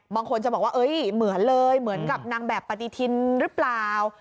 บางคนจะบอกว่าเหมือนเลยเหมือนกับนางแบบปฏิทินหรือเปล่า